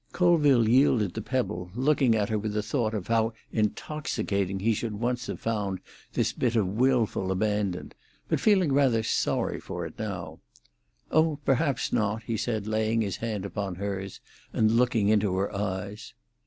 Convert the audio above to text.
Colville yielded the pebble, looking at her with the thought of how intoxicating he should once have found this bit of wilful abandon, but feeling rather sorry for it now. "Oh, perhaps not?" he said, laying his hand upon hers, and looking into her eyes.